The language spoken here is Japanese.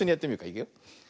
いくよ。